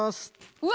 うわ！